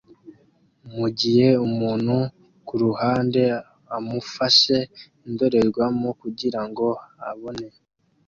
mugihe umuntu kuruhande amufashe indorerwamo kugirango abone